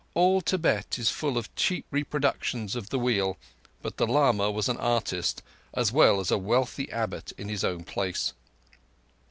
All Tibet is full of cheap reproductions of the Wheel; but the lama was an artist, as well as a wealthy Abbot in his own place.